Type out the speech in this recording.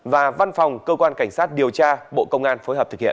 và văn phòng cơ quan cảnh sát điều tra bộ công an phối hợp thực hiện